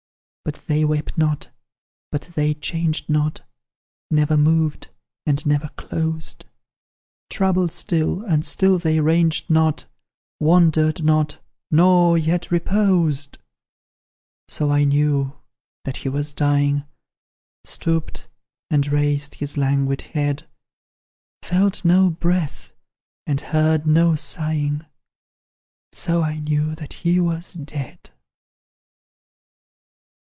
But they wept not, but they changed not, Never moved, and never closed; Troubled still, and still they ranged not Wandered not, nor yet reposed! So I knew that he was dying Stooped, and raised his languid head; Felt no breath, and heard no sighing, So I knew that he was dead.